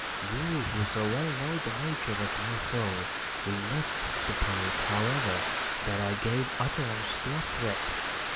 You, who so well know the nature of my soul, will not suppose, however, that I gave utterance to a threat.